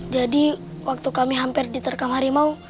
jadi waktu kami hampir diterkam hari ini